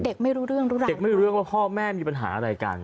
เด็กไม่รู้เรื่องว่าพ่อแม่มีปัญหาอะไรกัน